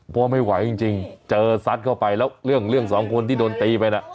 เพราะไม่ไหวจริงเจอซัดเข้าไปแล้วเรื่องสองคนที่โดนตีไปน่ะ